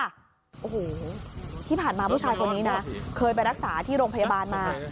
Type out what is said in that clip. โอ้โหที่ผ่านมาผู้ชายคนนี้นะเคยไปรักษาที่โรงพยาบาลมา